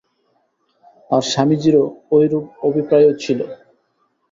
আর স্বামীজীরও ঐরূপ অভিপ্রায়ই ছিল।